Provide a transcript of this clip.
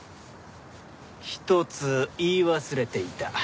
一つ言い忘れていた。